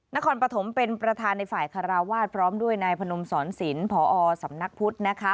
นครปฐมเป็นประธานในฝ่ายคาราวาสพร้อมด้วยนายพนมสอนศิลป์พอสำนักพุทธนะคะ